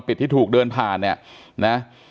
ผิดที่ถูกเดินผ่าน